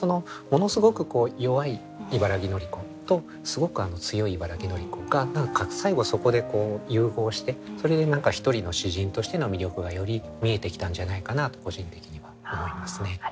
ものすごく弱い茨木のり子とすごく強い茨木のり子が最後はそこで融合してそれで何か一人の詩人としての魅力がより見えてきたんじゃないかなと個人的には思いますね。